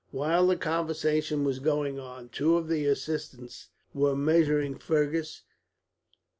While the conversation was going on, two of the assistants were measuring Fergus.